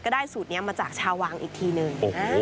ได้สูตรนี้มาจากชาวางอีกทีหนึ่ง